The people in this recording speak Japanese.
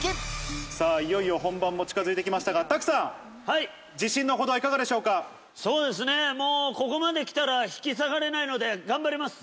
さあ、いよいよ本番も近づいてきましたが、拓さん、そうですね、もうここまできたら、引き下がれないので、頑張ります。